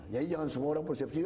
jadi jangan semua orang persepsi